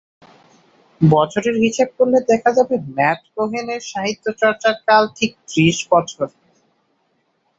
বছরের হিসেব করলে দেখা যাবে ম্যাট কোহেনের সাহিত্য-চর্চার কাল ঠিক ত্রিশ বছর।